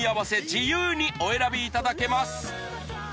自由にお選びいただけます